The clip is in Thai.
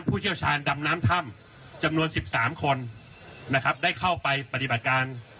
เชี่ยวชาญดำน้ำถ้ำจำนวน๑๓คนนะครับได้เข้าไปปฏิบัติการ